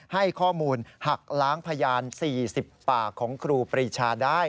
ให้ข้อมูลหักล้างพยาน๔๐ปากของครูปรีชาได้